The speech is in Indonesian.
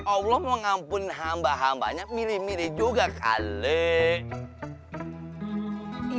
allah mau ngampunin hamba hambanya milih milih juga kali